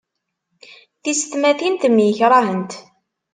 Tisetmatin temyekrahent.